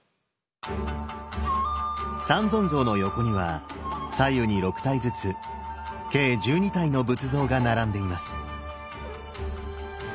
三尊像の横には左右に６体ずつ計１２体の仏像が並んでいます。